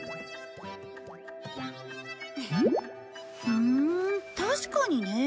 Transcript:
ふん確かにね。